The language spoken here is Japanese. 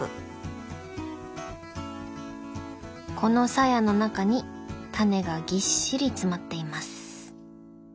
このサヤの中にタネがぎっしり詰まっています。